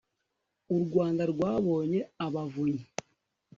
u rwanda rwabonye abavunyi